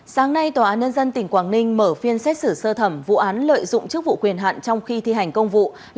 sáng nay tòa án nhân dân tỉnh quảng ninh mở phiên xét xử sơ thẩm vụ án lợi dụng chức vụ quyền hạn trong khi thi hành công vụ